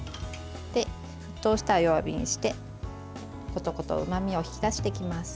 沸騰したら弱火にしてコトコトうまみを引き出していきます。